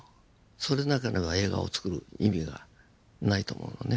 それでなければ映画をつくる意味がないと思うのね。